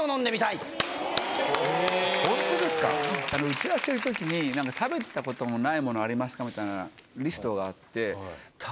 打ち合わせの時に「食べたことないものありますか？」みたいなリストがあって。